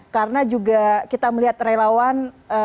karena juga kita melihat relawan